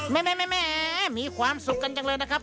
แม่มีความสุขกันจังเลยนะครับ